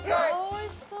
おいしそう。